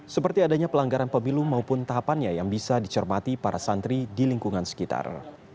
seperti adanya pelanggaran pemilu maupun tahapannya yang bisa dicermati para santri di lingkungan sekitar